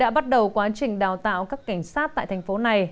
đô bài đã bắt đầu quá trình đào tạo các cảnh sát tại thành phố này